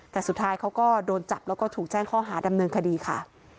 แต่สุดท้ายเขาก็โดนจับแล้วก็ถูกแจ้งข้อหาดำเนินคดีค่ะ